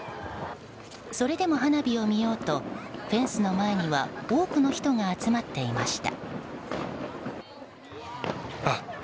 それでも花火を見ようとフェンスの前には多くの人が集まっていました。